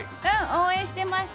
応援してます。